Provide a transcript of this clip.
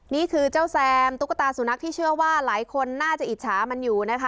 นี่คือเจ้าแซมตุ๊กตาสุนัขที่เชื่อว่าหลายคนน่าจะอิจฉามันอยู่นะคะ